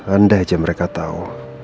andai aja mereka tau